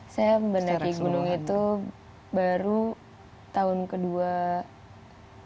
saya mendaki gunung itu baru tahun kedua